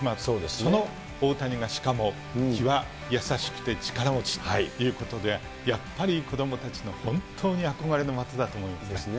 その大谷がしかも、気は優しくて力持ちということで、やっぱり子どもたちの本当に憧れの的だと思いますね。